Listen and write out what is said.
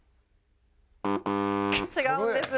違うんです。